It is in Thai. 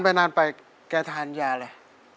นานไปแกทานยาเลย